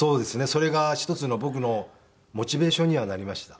それが一つの僕のモチベーションにはなりました。